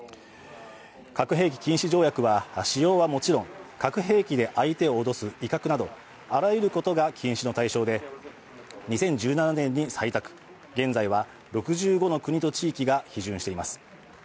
核兵器禁止条約は使用はもちろん、核兵器で相手を脅す威嚇などあらゆることが禁止の対象で、２０１７年に採択、現在は６５の国と地域が批准しています。